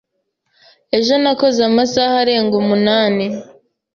Ejo nakoze amasaha arenga umunani.